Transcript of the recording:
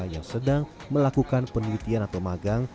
yang sedang melakukan penelitian atau magang